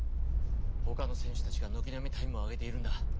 ほかの選手たちがのきなみタイムを上げているんだ。